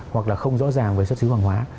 hoặc là không rõ ràng về xuất xứ hàng hóa